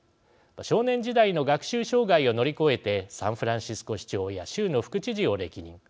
少年時代の学習障害を乗り越えてサンフランシスコ市長や州の副知事を歴任。